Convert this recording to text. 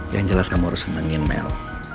yang jelas kamu harus senengin mail